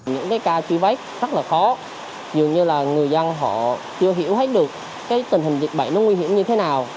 những cái ca truy vết rất là khó dường như là người dân họ chưa hiểu hết được cái tình hình dịch bệnh nó nguy hiểm như thế nào